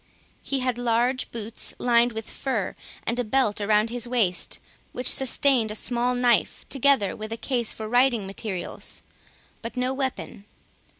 He had large boots lined with fur, and a belt around his waist, which sustained a small knife, together with a case for writing materials, but no weapon.